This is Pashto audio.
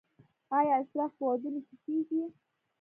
آیا اسراف په ودونو کې کیږي؟